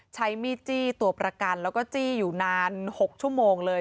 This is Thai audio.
ใช้มีดจี้ตัวประกันแล้วก็จี้อยู่นาน๖ชั่วโมงเลย